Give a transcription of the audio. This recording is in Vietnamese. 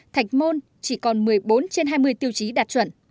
thạch môn chỉ còn một mươi bốn trên hai mươi tiêu chí đạt chuẩn